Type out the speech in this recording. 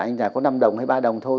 anh giả có năm đồng hay ba đồng thôi